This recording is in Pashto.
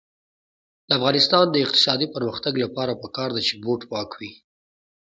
د افغانستان د اقتصادي پرمختګ لپاره پکار ده چې بوټ پاک وي.